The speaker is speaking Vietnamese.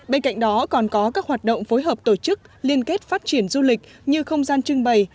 bên cạnh đó còn có các hoạt động phối hợp tổ chức liên kết phát triển du lịch như không gian trưng bày